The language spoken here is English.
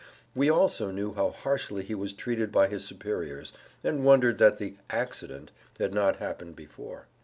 We also knew how harshly he was treated by his superiors, and wondered that the "accident" had not happened before.